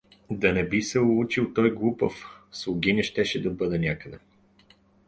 Да не би се улучил той глупав, слугиня щеше да бъде някъде!